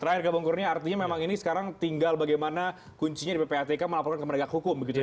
terakhir gabung kurnia artinya memang ini sekarang tinggal bagaimana kuncinya di ppatk melaporkan ke penegak hukum begitu ya